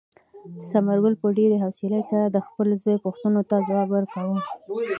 ثمرګل په ډېرې حوصلې سره د خپل زوی پوښتنو ته ځواب ورکاوه.